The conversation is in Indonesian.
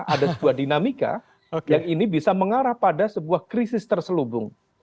ada sebuah dinamika yang ini bisa mengarah pada sebuah krisis terselubung